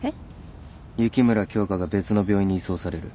雪村京花が別の病院に移送される。